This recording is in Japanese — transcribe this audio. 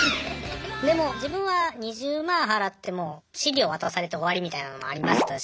でも自分は２０万払っても資料渡されて終わりみたいなのもありましたし。